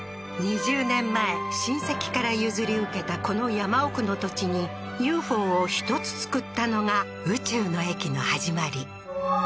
２０年前親戚から譲り受けたこの山奥の土地にＵＦＯを１つ造ったのが宇宙の駅の始まり